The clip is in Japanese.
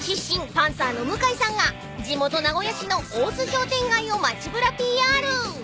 パンサーの向井さんが地元名古屋市の大須商店街を街ぶらＰＲ］